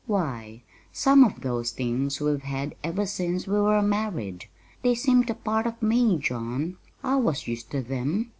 Why, some of those things we've had ever since we were married. They seemed a part of me, John. I was used to them.